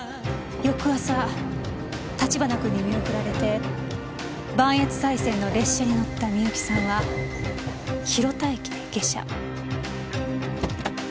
翌朝立花君に見送られて磐越西線の列車に乗ったみゆきさんは広田駅で下車。